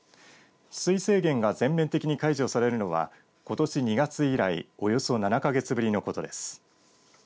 取水制限が全面的に解除されるのはことし２月以来およそ７か月ぶりのことです。